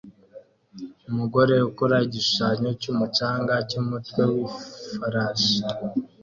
Umugore ukora igishusho cyumucanga cyumutwe wifarashi